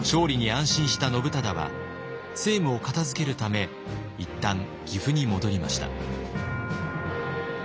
勝利に安心した信忠は政務を片づけるため一旦岐阜に戻りました。